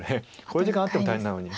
考慮時間あっても大変なのに。